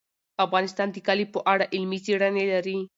افغانستان د کلي په اړه علمي څېړنې لري.